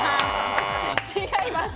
違います。